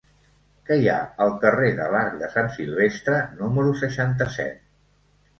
Què hi ha al carrer de l'Arc de Sant Silvestre número seixanta-set?